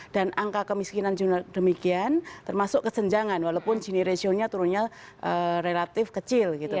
dan angka kemiskinan juga demikian termasuk kesenjangan walaupun jenerationnya turunnya relatif kecil gitu